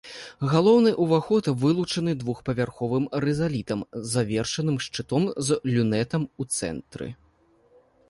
Галоўны ўваход вылучаны двухпавярховым рызалітам, завершаным шчытом з люнетам у цэнтры.